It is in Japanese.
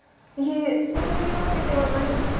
いえそういうわけではないんですよ。